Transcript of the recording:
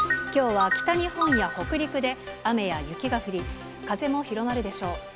きょうは北日本や北陸で雨や雪が降り、風も広がるでしょう。